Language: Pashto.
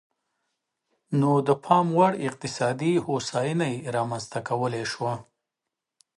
نو د پاموړ اقتصادي هوساینه یې رامنځته کولای شوه.